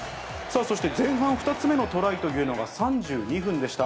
そして前半２つ目のトライというのが３２分でした。